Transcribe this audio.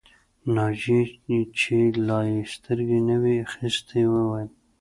ناجيې چې لا يې سترګې نه وې اخيستې وویل